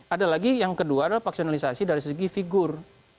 ada lagi yang kedua adalah paksionalisasi dari segi figur